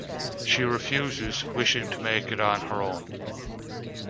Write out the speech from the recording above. She refuses, wishing to make it on her own.